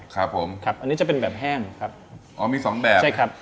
ครับผมครับอันนี้จะเป็นแบบแห้งครับอ๋อมีสองแบบใช่ครับ